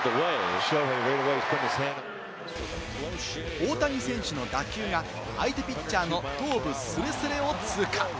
大谷選手の打球が相手ピッチャーの頭部スレスレを通過。